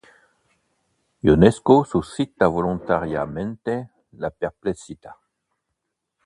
Ionesco suscita volontariamente la perplessità.